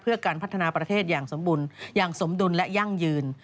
เพื่อการพัฒนาประเทศอย่างสมดุลและย่างยืน